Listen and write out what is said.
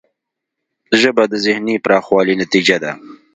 ژبه د ذهنی پراخوالي نتیجه ده